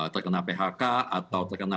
terkena phk atau terkena